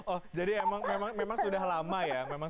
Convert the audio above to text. oh jadi memang sudah lama ya memang sudah lama tinggal di jepang